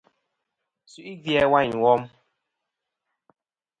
Su'i gvi a wayn wom.